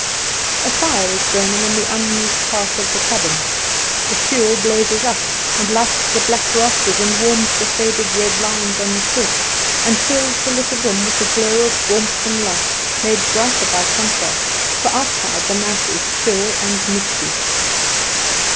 A fire is burning in the unused hearth of the cabin. The fuel blazes up, and lights the black rafters, and warms the faded red lions on the quilt, and fills the little room with a glow of warmth and light made brighter by contrast, for outside the night is chill and misty.